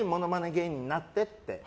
芸人になってって。